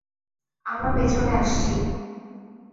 আমরা পেছনে আসছি।